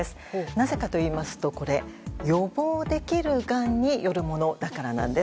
なぜかというと、これ予防できるがんによるものだからなんです。